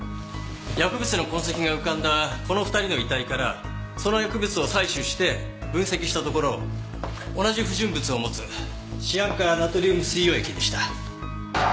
薬物の痕跡が浮かんだこの２人の遺体からその薬物を採取して分析したところ同じ不純物を持つシアン化ナトリウム水溶液でした。